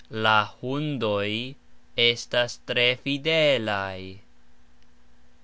La hundoj estas tre fidelaj.